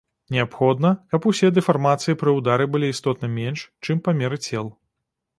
Неабходна, каб усе дэфармацыі пры ўдары былі істотна менш, чым памеры цел.